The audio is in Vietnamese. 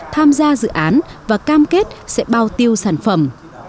tham gia dự án và cam kết sẽ bao tiêu sản phẩm